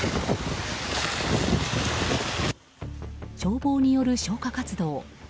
消防による消火活動。